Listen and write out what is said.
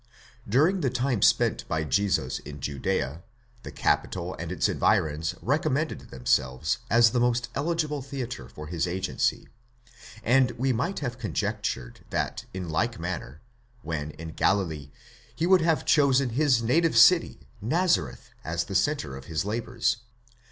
During the time spent by Jesus in Judea, the capital and its environs recommended themselves as the most eligible theatre for his agency ; and we might have conjectured that in like manner, when in Galilee, he would have chosen his native city, Nazareth, as the centre of his labours.